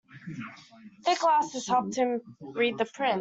Thick glasses helped him read the print.